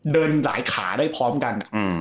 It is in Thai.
เดินหลายขาได้พร้อมกัน